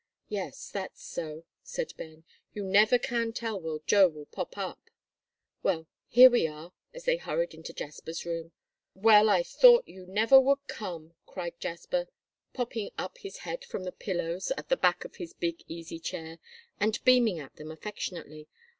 "Yes, that's so," said Ben, "you never can tell where Joe will pop up. Well, here we are," as they hurried into Jasper's room. "Well, I thought you never would come," cried Jasper, popping up his head from the pillows at the back of the big easy chair, and beaming at them affectionately.